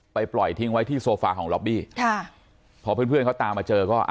ไปปล่อยทิ้งไว้ที่โซฟาของล็อบี้พอเพื่อนเค้าตามมาเจอก็